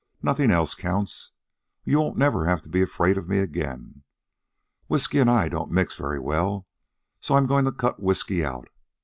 Nothing else counts. You won't never have to be afraid of me again. Whisky an' I don't mix very well, so I'm goin' to cut whisky out.